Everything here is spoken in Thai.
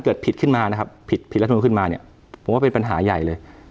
ผิดขึ้นมานะครับผิดผิดรัฐมนุนขึ้นมาเนี่ยผมว่าเป็นปัญหาใหญ่เลย